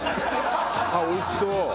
「あっおいしそう」